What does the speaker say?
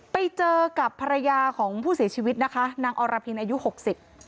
ไปเจอกับภรรยาของผู้เสียชีวิตนะคะนางอรพินอายุหกสิบ